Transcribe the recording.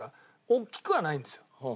大きくはないんですよ。